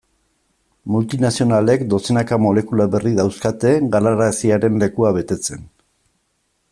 Multinazionalek dozenaka molekula berri dauzkate galaraziaren lekua betetzen.